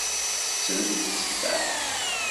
Tetten tteffaḥ.